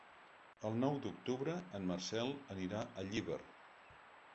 El nou d'octubre en Marcel anirà a Llíber.